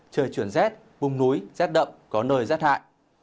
trời chuyển rét vùng núi rét đậm có nơi rét hại